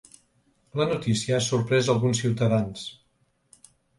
La notícia ha sorprès alguns ciutadans.